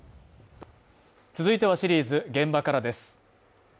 続いてはシリーズ「現場から」です。